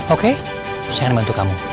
oke saya akan bantu kamu